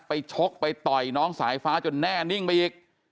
ชกไปต่อยน้องสายฟ้าจนแน่นิ่งไปอีก